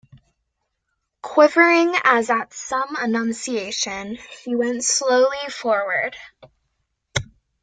Quivering as at some annunciation, she went slowly forward.